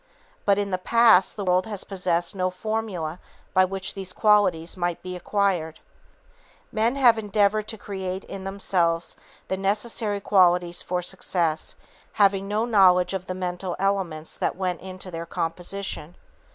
But in the past the world has possessed no formula by which these qualities might be acquired. Men have endeavored to create in themselves the necessary qualities for success, having no knowledge of the mental elements that went into their composition.